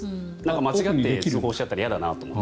間違って通報したら嫌だなと思って。